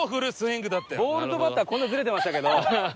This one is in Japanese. ボールとバットはこんなずれてましたけど。